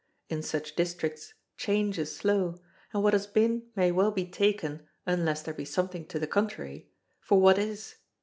In such districts change is slow, and what has been may well be taken, unless there be something to the contrary, for what is.